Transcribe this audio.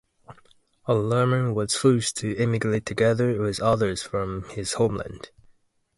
Al-Rahman was forced to emigrate together with others from his homeland.